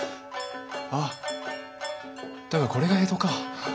あっだがこれが江戸か。